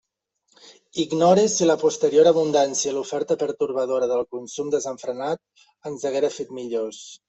Ignore si la posterior abundància i l'oferta pertorbadora del consum desenfrenat ens haguera fet millors.